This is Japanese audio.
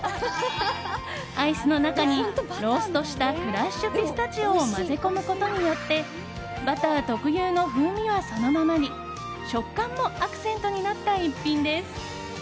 アイスの中に、ローストしたクラッシュピスタチオを混ぜ込むことによってバター特有の風味はそのままに食感もアクセントになった一品です。